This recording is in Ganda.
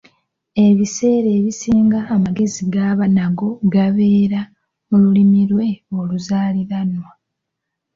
Ebiseera ebisinga amagezi g’aba nago gabeera mu Lulimi lwe oluzaaliranwa.